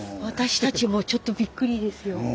私たちもちょっとびっくりですよ。